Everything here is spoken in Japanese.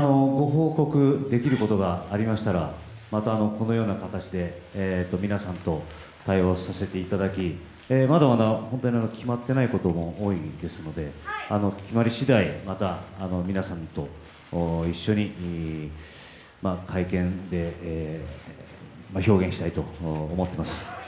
ご報告できることがありましたらまたこのような形で皆さんと対話をさせていただきまだまだ決まっていないことも多いですので決まり次第また皆さんと一緒に、会見で表現したいと思ってます。